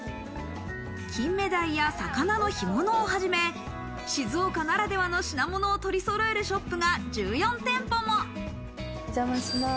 金目鯛や魚の干物をはじめ、静岡ならではの品物を取りそろえるショップが１４店舗も。